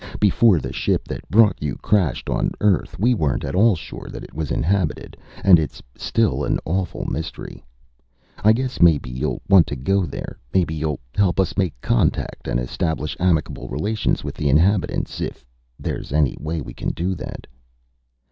Before the ship that brought you crashed on Earth, we weren't at all sure that it was inhabited, and it's still an awful mystery. I guess maybe you'll want to go there. Maybe you'll help us make contact and establish amicable relations with the inhabitants if there's any way we can do that."